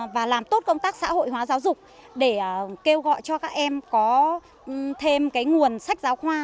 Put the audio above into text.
và làm tốt công tác xã hội hóa giáo dục để kêu gọi cho các em có thêm nguồn sách giáo khoa